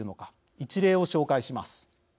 一例を紹介します。